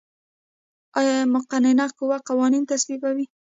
آیا مقننه قوه قوانین تصویبوي؟